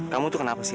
kamu tuh kenapa sih